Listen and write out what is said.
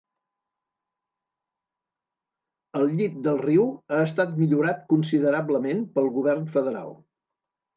El llit del riu ha estat millorat considerablement pel govern federal.